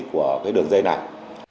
của cái đường dây này